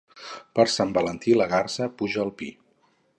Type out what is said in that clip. Per Sant Valentí, la garsa puja al pi.